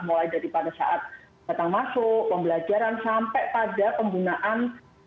mulai dari pada saat datang masuk pembelajaran sampai pada penggunaan